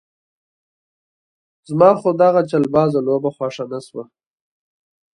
زما خو دغه چلبازه لوبه خوښه نه شوه.